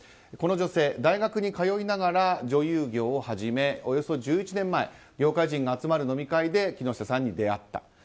この女性、大学に通いながら女優業を始め、およそ１１年前業界人が集まる飲み会で木下さんに出会った。